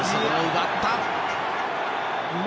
奪った！